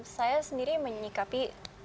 saya sendiri menyikapi